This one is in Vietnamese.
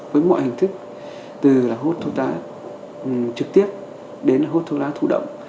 với mọi hình thức từ là hút thuốc lá trực tiếp đến hút thuốc lá thủ động